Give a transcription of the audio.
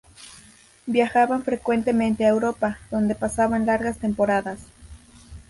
Viajaban frecuentemente a Europa, donde pasaban largas temporadas.